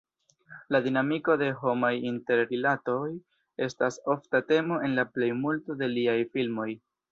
La dinamiko de homaj interrilatoj estas ofta temo en la plejmulto de liaj filmoj.